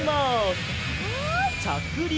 ちゃくりく！